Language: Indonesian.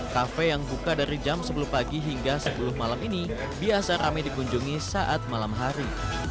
kafe yang buka dari jam sepuluh pagi hingga sepuluh malam ini biasa rame dikunjungi saat malam hari